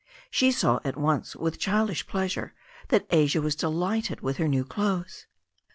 She saw at once, with childish pleasure, that Asia was de« lighted with her new clothes.